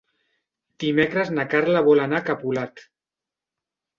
Dimecres na Carla vol anar a Capolat.